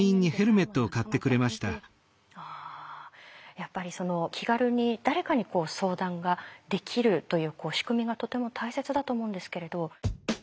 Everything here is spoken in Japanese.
やっぱりその気軽に誰かに相談ができるという仕組みがとても大切だと思うんですけれど。